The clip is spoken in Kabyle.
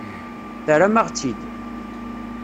Terram-aɣ-tt-id.